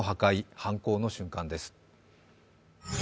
犯行の瞬間です。